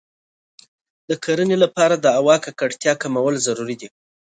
د کرنې لپاره د هوا د ککړتیا کمول ضروري دی.